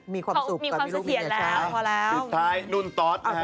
มีความสุขกับมีลูกมีเด็กชายพอแล้วพี่รู้มีความเสียดแล้ว